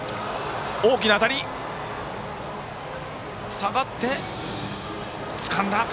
下がってつかんだ。